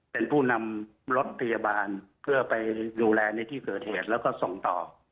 เป็นผู้นำรถพยาบาลเพื่อไปดูแลในที่เกิดเหตุแล้วก็ส่งต่อ